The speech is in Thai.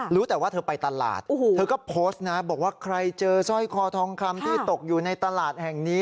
รู้แต่ว่าเธอไปตลาด